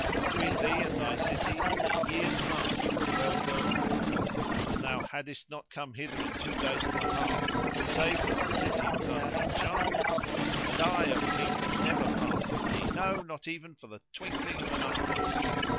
Between thee and thy city is a year's march for a well girt walker, and thou haddest not come hither in two days and a half save that the city was under enchantment. And I, O King, will never part from thee; no, not even for the twinkling of an eye."